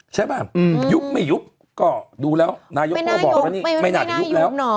ใช่ป่ะยุบไม่ยุบก็ดูแล้วนายกก็บอกแล้วนี่ไม่น่าจะยุบแล้ว